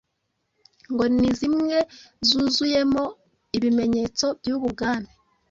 ngo ni zimwe zuzuyemo ibimenyetso by’ubu bwami